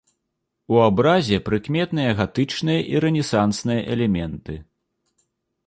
У абразе прыкметныя гатычныя і рэнесансныя элементы.